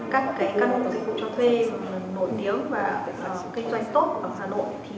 các căn hộ dịch vụ cho thuê nổi tiếng và kinh doanh tốt ở hà nội